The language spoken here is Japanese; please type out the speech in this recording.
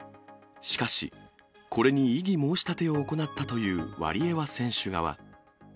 しかし、これに異議申し立てを行ったというワリエワ選手側。